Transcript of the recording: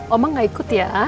oma gak ikut ya